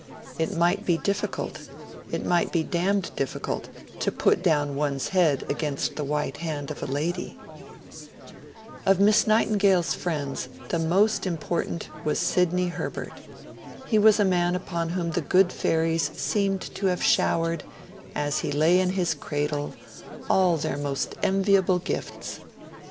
It might be difficult it might be damned difficult to put down one's head against the white hand of a lady ... Of Miss Nightingale's friends, the most important was Sidney Herbert. He was a man upon whom the good fairies seemed to have showered, as he lay in his cradle, all their most enviable goods.